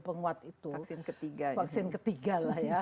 penguat itu vaksin ketiga